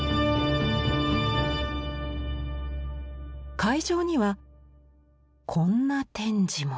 会場にはこんな展示も。